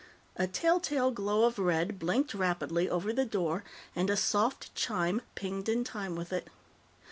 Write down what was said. A telltale glow of red blinked rapidly over the door, and a soft chime pinged in time with it.